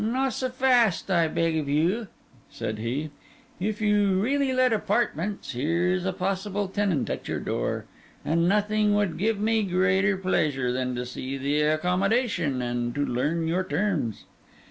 'Not so fast, I beg of you,' said he. 'If you really let apartments, here is a possible tenant at your door; and nothing would give me greater pleasure than to see the accommodation and to learn your terms.